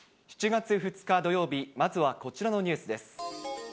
７月２日土曜日、まずはこちらのニュースです。